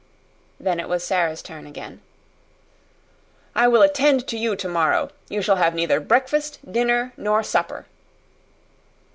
Then it was Sara's turn again. "I will attend to you tomorrow. You shall have neither breakfast, dinner, nor supper!"